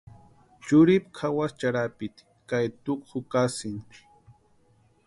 Churhipu kʼawasï charhapiti ka etukwa jukasïnti.